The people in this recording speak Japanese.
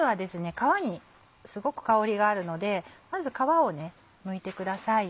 皮にすごく香りがあるのでまず皮をむいてください。